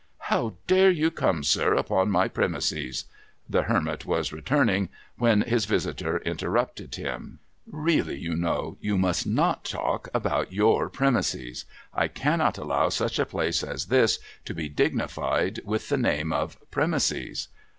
' How dare you come, sir, upon my premises ' the Hermit was returning, when his visitor interrupted him. ' Really, you know, you must not talk about your premises. I cannot allow such a place as this to be dignified with the name of premises.'